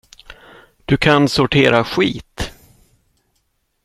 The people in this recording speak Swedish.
Du kan sortera skit.